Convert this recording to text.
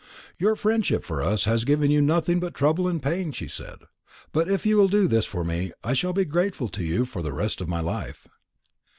"Your friendship for us has given you nothing but trouble and pain," she said; "but if you will do this for me, I shall be grateful to you for the rest of my life."